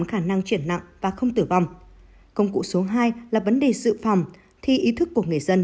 khả năng chuyển nặng và không tử vong công cụ số hai là vấn đề sự phòng thì ý thức của người dân